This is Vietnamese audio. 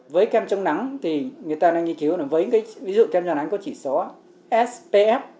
với kem trong nắng thì người ta đang nghiên cứu là với cái ví dụ kem nhà nắng có chỉ số spf